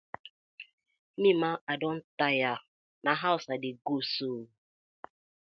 Mi ma, I don tire, na hawz I dey go so ooo.